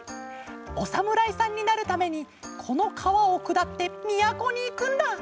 おさむらいさんになるためにこのかわをくだってみやこにいくんだ。